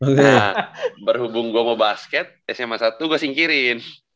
nah berhubung gue mau basket sma satu gue singkirin